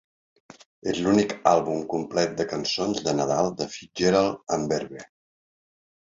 És l'únic àlbum complet de cançons de nadal de Fitzgerald amb Verve.